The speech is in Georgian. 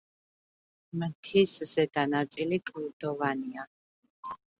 მთის ზედა ნაწილი კლდოვანია.